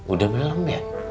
udah belom ya